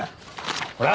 ほら！